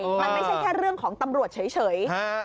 มันไม่ใช่แค่เรื่องของตำรวจเฉย